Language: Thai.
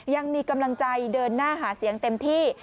ยังมีกำลังใจเดินหน้าหาเสียงเต็มที่